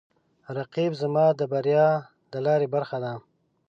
رقیب زما د بریا د لارې برخه ده